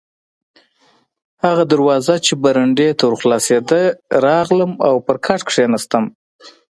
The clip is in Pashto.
هغه دروازه چې برنډې ته ور خلاصېده، راغلم او پر کټ کښېناستم.